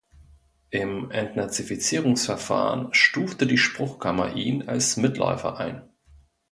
Im Entnazifizierungsverfahren stufte die Spruchkammer ihn als "Mitläufer" ein.